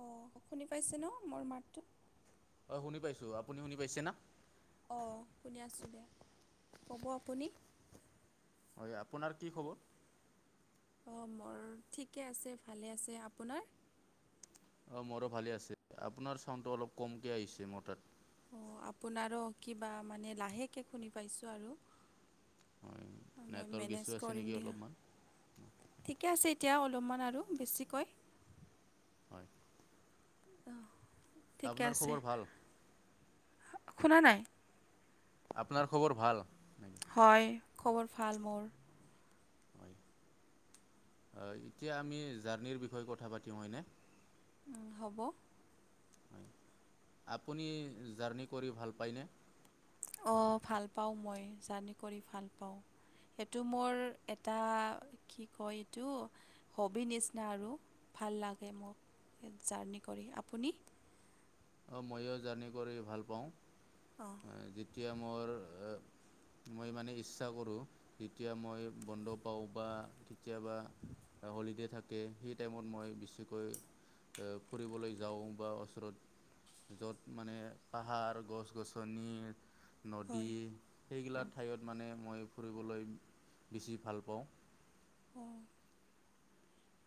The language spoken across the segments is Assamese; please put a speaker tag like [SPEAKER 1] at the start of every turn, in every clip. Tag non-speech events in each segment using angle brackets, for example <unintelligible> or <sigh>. [SPEAKER 1] অ শুনি পাইছে ন মোৰ মাৰটোত
[SPEAKER 2] অ শুনি পাইছো আপুনি শুনি পাইছে না
[SPEAKER 1] অঁ কোনে আছোঁ দেিয় ক'ব আপুনি
[SPEAKER 2] হয় আপোনাৰ কি খবৰ
[SPEAKER 1] অঁ মোৰ ঠিকে আছে ভালে আছে আপোনাৰ
[SPEAKER 2] অ মোৰো ভালে আছে আপোনাৰ চাউণ্ডটো অলপ কমকে আহিছে মোৰ তাত
[SPEAKER 1] অঁ আপোনাৰো কিবা মানে লাহেকৈ শুনি পাইছোঁ আৰু
[SPEAKER 2] হয়
[SPEAKER 1] মই
[SPEAKER 2] নেটৱৰ্ক
[SPEAKER 1] মেনেজ
[SPEAKER 2] ইছ্যু আছে
[SPEAKER 1] কৰিম
[SPEAKER 2] নেকি
[SPEAKER 1] দিয়া
[SPEAKER 2] অলপমান
[SPEAKER 1] ঠিকে আছে এতিয়া অলপমান আৰু বেছিকৈ
[SPEAKER 2] হয়
[SPEAKER 1] অ ঠিকে
[SPEAKER 2] আপোনাৰ
[SPEAKER 1] আছে
[SPEAKER 2] খবৰ ভাল
[SPEAKER 1] শুনা নাই
[SPEAKER 2] আপোনাৰ খবৰ ভাল নেকি
[SPEAKER 1] হয় খবৰ ভাল মোৰ
[SPEAKER 2] হয় এতিয়া আমি জাৰ্ণিৰ বিষয়ে কথা পাতিম হয়নে
[SPEAKER 1] হ'ব
[SPEAKER 2] হয় আপুনি জাৰ্ণি কৰি ভাল পায়নে
[SPEAKER 1] অঁ ভাল পাওঁ মই জাৰ্ণি কৰি ভাল পাওঁ সেইটো মোৰ এটা কি কয় এইটো হ'বি নিচিনা আৰু ভাল লাগে মোক জাৰ্ণি কৰি আপুনি
[SPEAKER 2] অঁ ময়ো জাৰ্ণি কৰি ভাল পাওঁ
[SPEAKER 1] অঁ
[SPEAKER 2] যেতিয়া মোৰ মই মানে ইচ্ছা কৰোঁ যেতিয়া মই বন্ধ পাওঁ বা কেতিয়াবা হলিডে' থাকে সেই টাইমত মই বেছিকৈ ফুৰিবলৈ যাওঁ বা ওচৰত য'ত মানে পাহাৰ গছ গছনি নদী
[SPEAKER 1] হয়
[SPEAKER 2] সেইগিলা ঠাইত মানে মই ফুৰিবলৈ বেছি ভাল পাওঁ
[SPEAKER 1] অঁ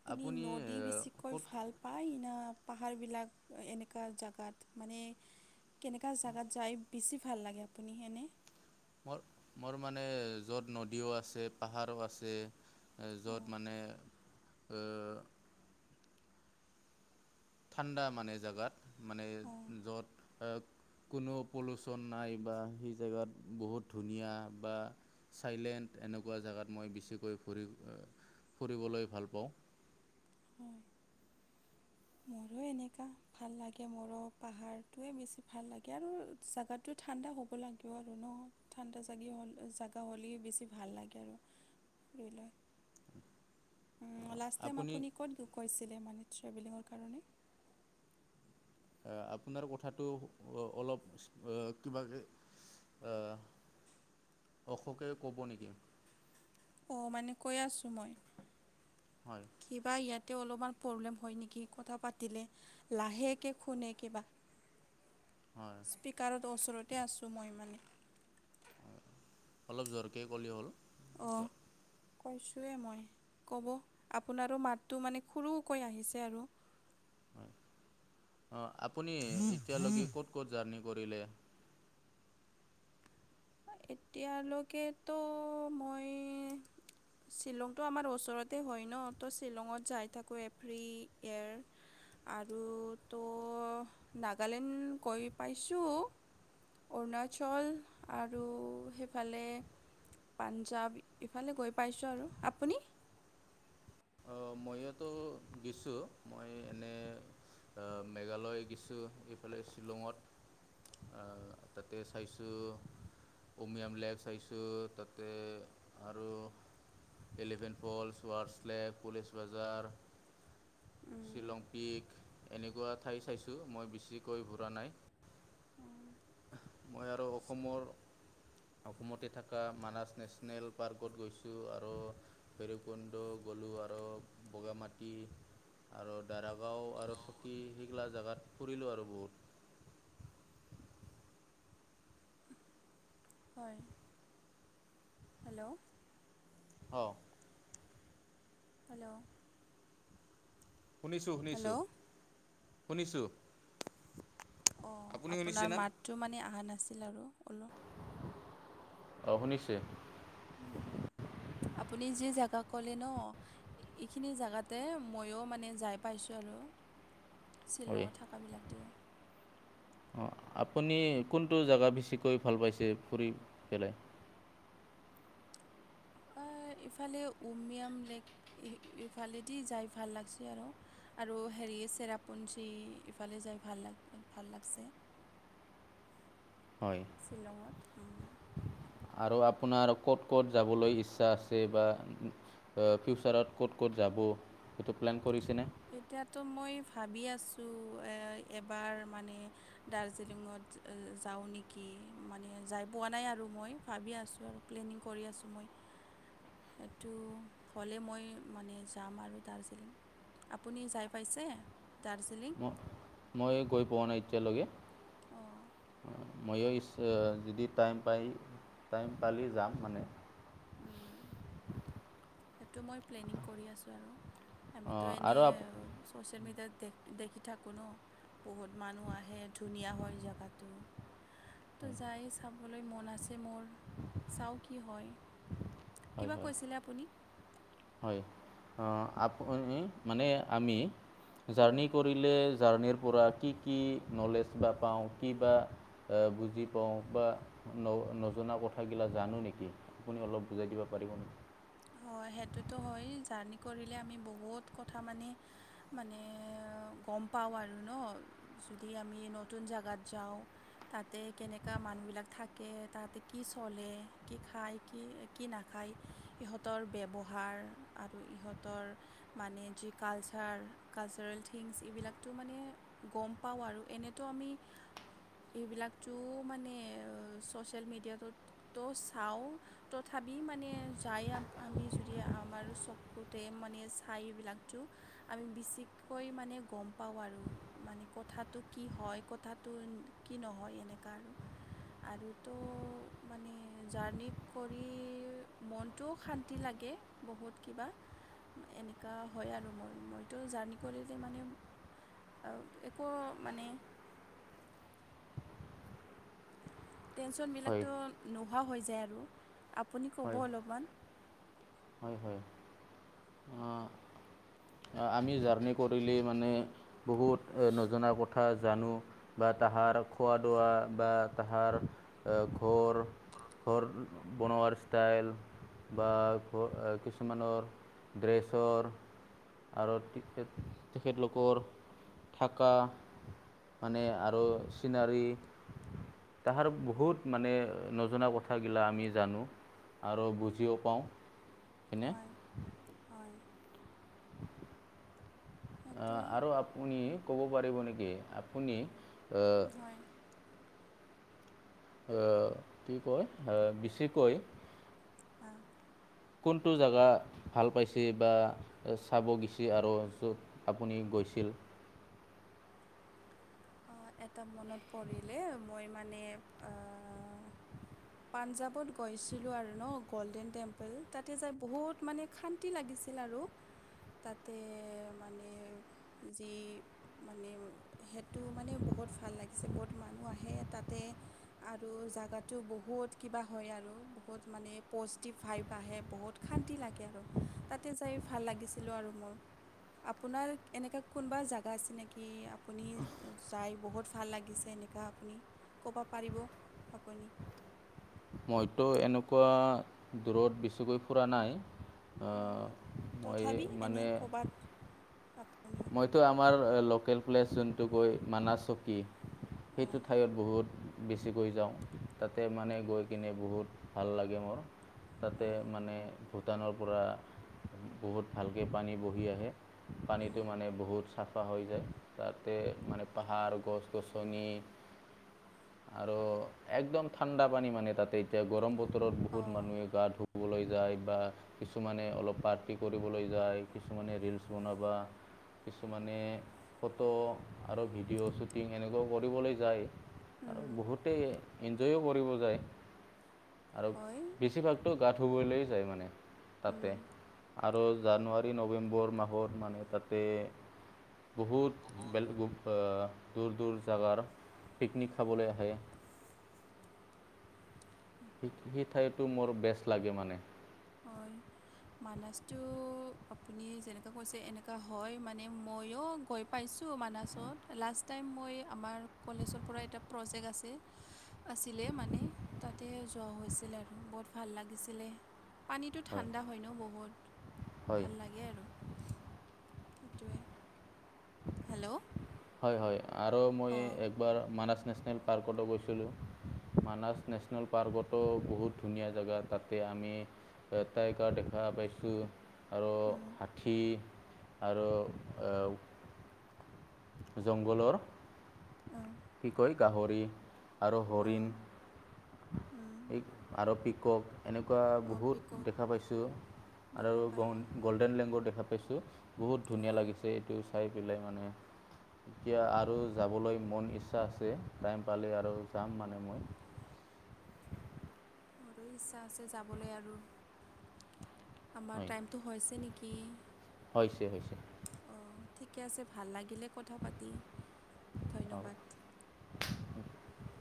[SPEAKER 1] আপুনি নদী বেছিকৈ
[SPEAKER 2] ক'ত
[SPEAKER 1] ভাল পায় ন পাহাৰবিলাক এনেকুৱা জেগাত মানে কেনেকুৱা জোগাত যায় বেছি ভাল লাগে আপুনি এেনে
[SPEAKER 2] মোৰ মোৰ মানে য'ত নদীও আছে পাহাৰো আছে য'ত মানে ঠাণ্ডা মানে জেগাত মানে
[SPEAKER 1] অঁ
[SPEAKER 2] য'ত কোনো পলিুউচন নাই বা সেই জেগাত বহুত ধুনীয়া বা চাইলেণ্ট এনেকুৱা জেগাত মই বেছিকৈ ফুৰি ফুৰিবলৈ ভাল পাওঁ
[SPEAKER 1] হয় মোৰো এনেকুৱা ভাল লাগে মৰহ পাহাৰটোৱে বেছি ভাল লাগে আৰু জোগাটো ঠাণ্ডা হ'ব লাগে আৰু ন ঠাণ্ডা জাগি হ'ল জাগা হ'লেই বেছি ভাল লাগে আৰু ফুৰি লৈ লাষ্ট টাইম আপুনি ক'ত কৈছিলে মানে ট্ৰেভেলিঙৰ কাৰণে
[SPEAKER 2] আপোনাৰ কথাটো অলপ কিব আহ অশোকে কব নেকি
[SPEAKER 1] অ মানে কৈ আছো মই
[SPEAKER 2] হয়
[SPEAKER 1] কিবা ইয়াতে অলপমান প্ৰব্লেম হয় নেকি কথা পাতিলে লাহেকে শুনে কিবা <inaudible>
[SPEAKER 2] হয়।
[SPEAKER 1] স্পীকাৰত ওচৰতে আছোঁ মই মানে।
[SPEAKER 2] অলপ জোৰকে ক'লি হ'ল।
[SPEAKER 1] অ'।
[SPEAKER 2] এতিয়া
[SPEAKER 1] কৈছোঁৱেই মই, ক'ব, আপোনাৰো মাতটো মানে সৰুকৈ আহিছে আৰু।
[SPEAKER 2] অ', আপুনি এতিয়ালৈকে ক'ত ক'ত জাৰ্নি কৰিলে?
[SPEAKER 1] এতিয়ালৈকেতো মই শ্বিলংটো আমাৰ ওচৰতে হয় ন, ত' শ্বিলঙত যাই থাকোঁ এভ্ৰি ইয়াৰ। আৰু তো নাগালেণ্ড গৈ পাইছোঁ। অৰুণাচল আৰু সেইফালে পাঞ্জাৱ ইফালে গৈ পাইছোঁ আৰু আপুনি?
[SPEAKER 2] ইয়াতো গেছোঁ মই এনে। অহ', মেঘালয় গেছোঁ, এইফালে শ্বিলঙত। অহ', তাতে চাইছোঁ। উমিয়াম লেক চাইছোঁ তাতে আৰু Elephant Falls, Ward's Lake. Police Bazaar, Shillong Peak. এনেকুৱা ঠাই চাইছোঁ, মই বেছিকৈ ঘূৰা নাই। মই আৰু অসমৰ অসমতে থাকা মানাচ নেশ্যনেল পাৰ্কত গৈছোঁ আৰু ভৈৰৱকুণ্ড গ'লো আৰু বগা মাটি। আৰু দাৰাগাঁও আৰু চকী সেইগলা জেগাত ফুৰিলোঁ আৰু বহুত।
[SPEAKER 1] হয়। হেল্ল',
[SPEAKER 2] অ'।
[SPEAKER 1] হেল্ল',
[SPEAKER 2] শুনিছোঁ
[SPEAKER 1] হেল্ল'
[SPEAKER 2] শুনিছোঁ, শুনিছোঁ।
[SPEAKER 1] অ',
[SPEAKER 2] আপুনি
[SPEAKER 1] আপোনাৰ
[SPEAKER 2] শুনিছেনে
[SPEAKER 1] মাতটো মানে আহা নাছিল আৰু অলপ।
[SPEAKER 2] অ', শুনিছে?
[SPEAKER 1] উম', আপুনি যি জেগা ক'লে ন? ইখিনি জাগাতে ময়ো মানে যাই পাইছোঁ আৰু।
[SPEAKER 2] হয়
[SPEAKER 1] শ্বিলঙৰ থাকা বিলাক দিওঁ।
[SPEAKER 2] অ', আপুনি কোনটো জাগা বেছিকৈ ভাল পাইছে ফুৰি পেলায়?
[SPEAKER 1] অই ইফালে উমিয়াম লেক ইহ ইফালেদি যাই ভাল লাগছি আৰু। আৰু হেৰি চেৰাপুঞ্জী, ইফালে যাই ভাল লাগ ভাল লাগছে।
[SPEAKER 2] হয়।
[SPEAKER 1] শ্বিলঙত, উম'।
[SPEAKER 2] আৰু আপোনাৰ ক'ত ক'ত যাবলৈ ইচ্ছা আছে? বা অ' ফিউচাৰত ক'ত ক'ত যাব, সেইটো প্লেন কৰিছেনে?
[SPEAKER 1] এতিয়াতো মই ভাবি আছোঁ এ-এবাৰ মানে দাৰ্জিলিঙত যা- যাওঁ নেকি, মানে যাই পোৱা নাই আৰু মই। ভাবি আছোঁ আৰু প্লেনিং কৰি আছোঁ মই। সেইটো হ'লে মই মানে যাম আৰু দাৰ্জিলিং। আপুনি যাই পাইছে? দাৰ্জিলিং?
[SPEAKER 2] ম মই গৈ পোৱা নাই
[SPEAKER 1] অঁ
[SPEAKER 2] এতিয়ালৈকে ময়ো ইচ অ' যদি টাইম পাই, টাইম পালি যাম মানে।
[SPEAKER 1] উম। সেইটো মই প্লেনিং কৰি আছোঁ আৰু, আমিতো
[SPEAKER 2] আৰু
[SPEAKER 1] এনেই
[SPEAKER 2] আপ
[SPEAKER 1] ছ'চিয়েল মিডিয়াত দেখ দেখি থাকোঁ ন? বহুত মানুহ আহে, ধুনীয়া হয় জাগাটো। তো যায় চাবলৈ মন আছে, মোৰ চাওঁ কি হয়।
[SPEAKER 2] হয়,
[SPEAKER 1] কিবা কৈছিলে আপুনি
[SPEAKER 2] হয়। আপুনি মানে আমি
[SPEAKER 1] উম,
[SPEAKER 2] জাৰ্কৰি কৰিলে জাৰ্ণিৰ পৰা কি কি নলেজ বা পাওঁ কি বা বুজি পাওঁ। বা ন নজনা কথাগিলা জানো নেকি? আপুনি অলপ বুজাই দিব পাৰিব নি
[SPEAKER 1] হয়, সেইটোতো হয়। জাৰ্ণি কৰিলে আমি বহুত কথা মানে মানে গম পাওঁ আৰু ন যদি আমি নতুন জেগাত যাওঁ। তাতে কেনেকা মানুহবলাক থাকে, তাতে কি চলে কি খায় কি কি নাখায়। ইহঁতৰ ব্যৱহাৰ আৰু ইহঁতৰ মানে যি কালচাৰ কালচাৰেল থিংছ এইবিলাকতো মানে গম পাওঁ, আৰু এনেতো আমি এইবিলাকটো মানে ছ'চিয়েল মেডিয়াটোত ত, চাও তথাপি মানে যাই আমি যদি আমাৰ চকুতে মানে চাই এইবিলাকটো আমি, বেছিকৈ মানে গম পাওঁ, আৰু মানে কথাটো কি হয়। কথাটো কি নহয় এনেকুৱা আৰু আৰুতো মানে জাৰ্ণি কৰি মনটোও শান্তি লাগে বহুত কিবা এনেকুৱা হয় আৰু মই মইতো জাৰ্ণি কৰিলে মানে আৰু একো মানে
[SPEAKER 2] হয়
[SPEAKER 1] টেনশনবিলাকতো নোহোৱা হৈ যায় আৰু আপুনি
[SPEAKER 2] হয়
[SPEAKER 1] ক'ব অলপমান
[SPEAKER 2] হয়, হয়। আমি জাৰ্ণি কৰিলে মানে বহুত নজনা কথা জানো বা তাহাৰ খোৱা দোৱা বা তাহাৰ ঘৰ ঘৰ বনোৱাৰ ষ্টাইল বা কিছুমানৰ ড্ৰেছৰ আৰু তেখেত তেখেতলোকৰ থাকা মানে আৰু চিনাৰী তাহাৰ বহুত মানে নজনা কথাগিলা আমি জানো। আৰু বুজিও পাওঁ। হয়নে
[SPEAKER 1] হয়', হয়। সেইটোৱে
[SPEAKER 2] আহ আৰু আপুনি ক'ব পাৰিব নেকি আপুনি আহ
[SPEAKER 1] হয়।
[SPEAKER 2] কি কয় বেছিকৈ
[SPEAKER 1] অ',
[SPEAKER 2] কোনটো জেগা ভাল পাইছে বা চাব গৈছে আৰু য'ত আপুনি গৈছিল।
[SPEAKER 1] এটা মনত পৰিলে মই মানে পাঞ্জাৱত গৈছিলোঁ আৰু ন গ'ল্ডেন টেম্পল তাতে যাই বহুত মানে শান্তি লাগিছিল আৰু তাতে মানে যি মানে হেড তো মানে বহুত ভাল লাগিছে। বহুত মানুহ আহে তাতে আৰু জেগাটো বহুত কিবা হয়, আৰু বহুত মানে পজিটিভ ভাইভ আহে বহুত শান্তি লাগে আৰু তাতে যাই ভাল লাগিছিলো। আৰু মোৰ আপোনাৰ এনেকুৱা কোনোবা জেগা আছে নেকি? আপুনি যাই বহুত ভাল লাগিছে এনেকুৱা আপুনি ক'ব পাৰিব আপুনি?
[SPEAKER 2] মইতো এনেকুৱা দূৰত বেছিকৈ ফুৰা নাই।
[SPEAKER 1] অঁ
[SPEAKER 2] মই
[SPEAKER 1] তথাপি
[SPEAKER 2] মানে
[SPEAKER 1] আনি
[SPEAKER 2] মইতো আমাৰ লোকেল প্লেচ যোনটো কৈ মানা চকী সেইটো
[SPEAKER 1] অঁ
[SPEAKER 2] ঠাইত বহুত বেছিকৈ যাওঁ তাতে মানে গৈ কিনে বহুত ভাল লাগে মোৰ তাতে
[SPEAKER 1] অঁ
[SPEAKER 2] মানে ভূটানৰ পৰা বহুত ভালকৈ পানী বহি আহে পানীটো মানে বহুত চাফা হৈ যায় তাতে মানে পাহাৰ গছ গছনি
[SPEAKER 1] <unintelligible>
[SPEAKER 2] আৰু একদম ঠাণ্ডা পানী মানে তাতে এতিয়া গৰম বতৰত বহুত
[SPEAKER 1] অঁ
[SPEAKER 2] মানুহে গা ধু যায় বা কিছুমানে অলপ পাৰ্টি কৰিবলৈ যায় কিছুমানে ৰিলচ বনাবা কিছুমানে ফটো আৰু ভিডিঅ' শ্বুটিং এনেকুৱা কৰিবলৈ যায় আৰু
[SPEAKER 1] অঁ
[SPEAKER 2] বহুতেই এনজয়ো কৰিব যায় আৰু
[SPEAKER 1] হয়
[SPEAKER 2] বেছিভাগ টো গা ধুবলৈ যায় মানে তাতে
[SPEAKER 1] উম,
[SPEAKER 2] আৰু জানুৱাৰী নৱেম্বৰ মাহত মানে তাতে বহুত বেলেগ দূৰ দূৰ জাগাৰ পিকনিক খাবলৈ আহে স সেই ঠাইতো মোৰ বেষ্ট লাগে মানে
[SPEAKER 1] হয় মানাছটো আপুনি যেনেকুৱা কৈছে এনেকুৱা হয় মানে ময়ো গৈ পাইছোঁ মানাছত লাষ্ট টাইম মই আমাৰ কলেজৰ পৰা এটা প্ৰজেক্ট আছে আছিলে মানে তাতে যোৱা হৈছিলে আৰু বহুত ভাল লাগিছিলে পানীটো ঠাণ্ডা হয় ন বহুত
[SPEAKER 2] হয়
[SPEAKER 1] ভাল লাগে আৰু সেইটোৱে হেল্ল'
[SPEAKER 2] হয় হয় আৰু মই
[SPEAKER 1] অঁ
[SPEAKER 2] একবাৰ মানছ নেশ্যনেল পাৰ্কতো গৈছিলোঁ মানছ নেশ্যনেল পাৰ্কতো বহুত ধুনীয়া জেগা তাতে আমি এটাই কাৰ দেখা পাইছোঁ আৰু
[SPEAKER 1] উম,
[SPEAKER 2] হাতী আৰু জংঘলৰ
[SPEAKER 1] অ',
[SPEAKER 2] কি কয় গাহৰি আৰু হৰিণ
[SPEAKER 1] অঁ উম,
[SPEAKER 2] এই আৰু পিকক এনেকুৱা
[SPEAKER 1] অঁ
[SPEAKER 2] বহুত
[SPEAKER 1] পিকক
[SPEAKER 2] দেখা পাইছোঁ, আৰু
[SPEAKER 1] দেখা
[SPEAKER 2] গ
[SPEAKER 1] পায়
[SPEAKER 2] গ'ল্ডেন লেংগু দেখা পাইছো বহুত ধুনীয়া
[SPEAKER 1] অঁ
[SPEAKER 2] লাগিছে এইটো চাই পেলাই, মানে এতিয়া আৰু যাবলৈ মন ইচ ইচ্ছা আছে, টাইম পালে আৰু যাম মানে মই
[SPEAKER 1] মোৰ ইচ্ছা আছে যাবলৈ আৰু, আমাৰ
[SPEAKER 2] হয়
[SPEAKER 1] টাইমটো হৈছে নেকি
[SPEAKER 2] হৈছে হৈছে
[SPEAKER 1] অ', ঠিকে আছে, ভাল লাগিলে কথা পাতি
[SPEAKER 2] অঁ
[SPEAKER 1] ধন্যবাদ
[SPEAKER 2] <unintelligible>